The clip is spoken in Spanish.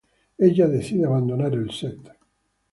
Ella decide abandonar el set.